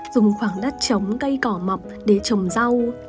dùng khoảng đất trống cây cỏ mọc để trồng rau